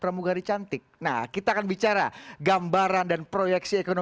termasuk anggaran kita harus betul betul dialokasikan